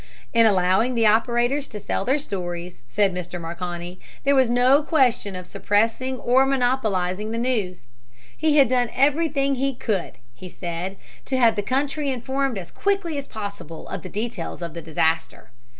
In allowing the operator's to sell their stories, said Mr. Marconi, there was no question of suppressing or monopolizing the news. He had done everything he could, he said, to have the country informed as quickly as possible of the details of the disaster.